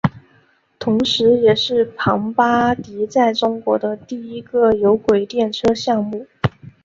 同时也是庞巴迪在中国的第一个有轨电车项目。